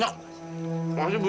ini satu lagi pak